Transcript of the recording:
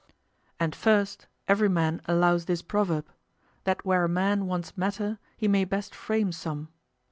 And first, every man allows this proverb, "That where a man wants matter, he may best frame some."